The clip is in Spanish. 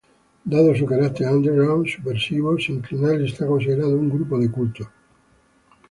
Dado su carácter underground, Subversivo sinclinal está considerado un grupo de culto.